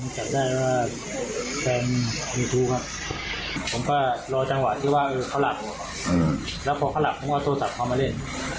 จับได้ว่าแฟนยูทูปผมก็รอจังหวะที่ว่าเขาหลับแล้วพอเขาหลับผมก็เอาโทรศัพท์เข้ามาเล่น